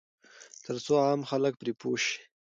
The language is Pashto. ترڅو عام خلک پرې پوه شي.